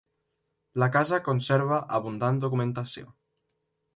La casa conserva abundant documentació.